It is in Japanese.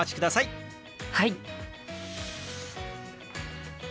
はい。